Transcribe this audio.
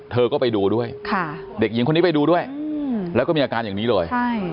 เธอก็ไปดูด้วยเด็กหญิงคนนี้ไปดูด้วยแล้วก็มีอาการอย่างนี้เลย